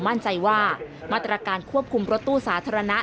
มั่นใจว่ามาตรการควบคุมรถตู้สาธารณะ